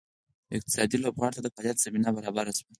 اقتصادي لوبغاړو ته د فعالیت زمینه برابره شوه.